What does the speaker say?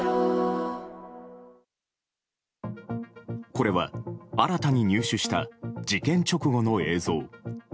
これは、新たに入手した事件直後の映像。